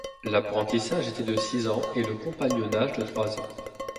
L'apprentissage était de six ans, et le compagnonnage de trois ans.